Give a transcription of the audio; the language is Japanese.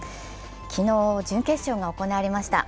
昨日、準決勝が行われました。